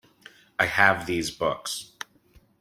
I have these books.